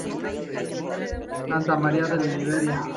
Santa María La Ribera.